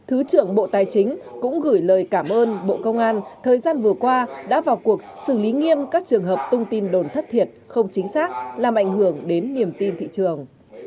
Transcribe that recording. thứ trưởng bộ tài chính cũng gửi lời cảm ơn bộ công an thời gian vừa qua đã vào cuộc xử lý nghiêm các trường hợp tung tin đồn thất thiệt không chính xác làm ảnh hưởng đến niềm tin thị trường